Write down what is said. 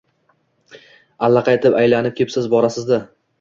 — Allaqaytib aylanib kepsiz, borasiz-da.